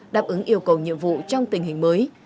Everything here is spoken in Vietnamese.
đáp ứng yêu cầu nhiệm vụ trong tình hình mới